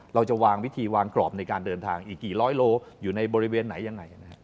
เราจะวางวิธีวางกรอบในการเดินทางอีกกี่ร้อยโลอยู่ในบริเวณไหนยังไงนะครับ